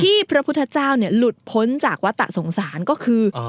ที่พระพุทธเจ้าเนี่ยหลุดพ้นจากวัตตะสงสารก็คืออ๋อ